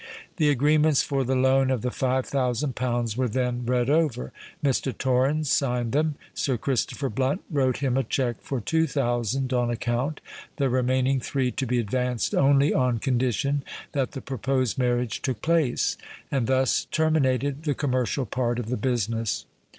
The agreements for the loan of the five thousand pounds were then read over; Mr. Torrens signed them; Sir Christopher Blunt wrote him a cheque for two thousand on account—the remaining three to be advanced only on condition that the proposed marriage took place;—and thus terminated the commercial part of the business.